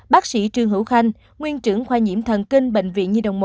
bác sĩ trương hữu khanh nguyên trưởng khoa nhiễm thần kinh bệnh viện nhi đồng một